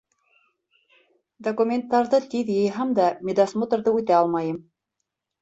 Документтарҙы тиҙ йыйһам да, медосмотрҙы үтә алмайым.